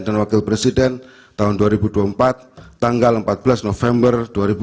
dan wakil presiden tahun dua ribu dua puluh empat tanggal empat belas november dua ribu dua puluh tiga